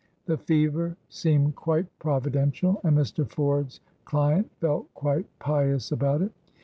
The fever seemed quite providential, and Mr. Ford's client felt quite pious about it.